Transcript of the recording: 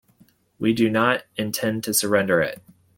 We do not intend to surrender it.